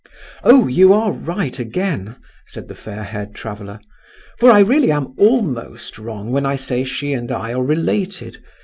"Oh, you are right again," said the fair haired traveller, "for I really am almost wrong when I say she and I are related.